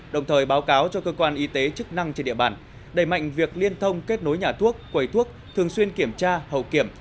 đẩy mạnh việc liên thông kết nối nhà thuốc quầy thuốc thường xuyên kiểm tra hậu kiểm